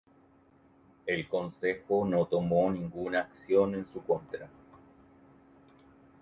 El Consejo no tomó ninguna acción en su contra.